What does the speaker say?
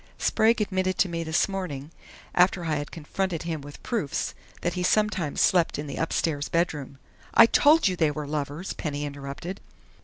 "Sprague admitted to me this morning, after I had confronted him with proofs, that he sometimes slept in the upstairs bedroom " "I told you they were lovers!" Penny interrupted.